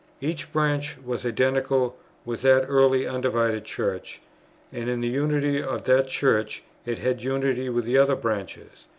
Each branch was identical with that early undivided Church, and in the unity of that Church it had unity with the other branches.